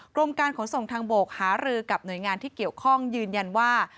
กรมการขนส่งทางบกหารือกับหน่วยงานที่เกี่ยวข้องยืนยันว่า